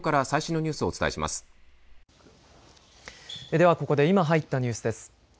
では、ここで今入ったニュースです。